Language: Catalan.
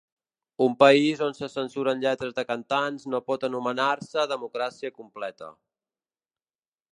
Un país on se censuren lletres de cantants no pot anomenar-se democràcia completa.